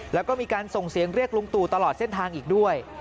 แล้วก็มีการส่งเสียงเรียกลุงตู่ตลอดเส้นทางอีกด้วย